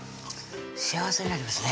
幸せになりますね